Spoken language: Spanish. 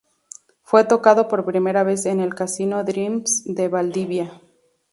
Fue tocado por primera vez en el Casino Dreams de Valdivia.